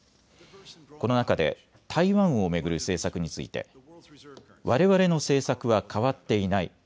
この中で台湾を巡る政策についてわれわれの政策は変わっていない。